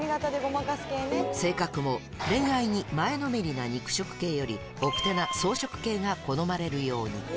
性格も、恋愛に前のめりな肉食系より、奥手な草食系が好まれるように。